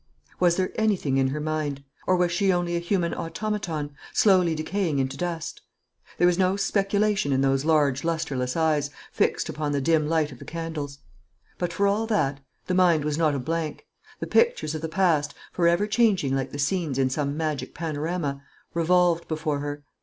Was there anything in her mind; or was she only a human automaton, slowly decaying into dust? There was no speculation in those large lustreless eyes, fixed upon the dim light of the candles. But, for all that, the mind was not a blank. The pictures of the past, for ever changing like the scenes in some magic panorama, revolved before her.